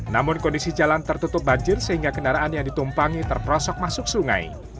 namun kondisi jalan tertutup banjir sehingga kendaraan yang ditumpangi terprosok masuk sungai